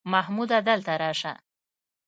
محموده دلته راسه!